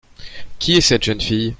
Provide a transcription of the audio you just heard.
Qui est cette jeune fille ?